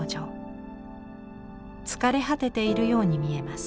疲れ果てているように見えます。